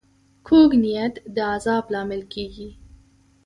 کوږ نیت د عذاب لامل کېږي